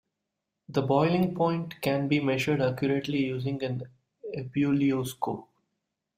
The boiling point can be measured accurately using an ebullioscope.